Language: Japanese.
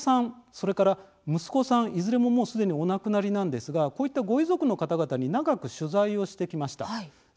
それから、息子さんいずれももうすでにお亡くなりなんですがこういったご遺族の方々に長く取材をしてきました。